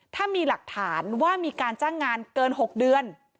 ถ้ามีหลักฐานว่ามีการจ้างงานเกิน๖เดือน